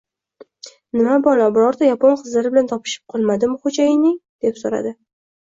— Nima balo, birorta yapon qizlari bilan topishib qolmadimi xo‘jayinning? – deb so‘radi.